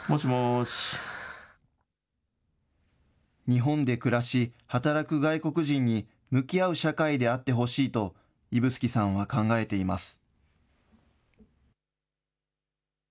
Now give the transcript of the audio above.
日本で暮らし、働く外国人に向き合う社会であってほしいと、指宿さんは考えています。